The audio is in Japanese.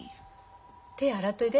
手洗っておいで。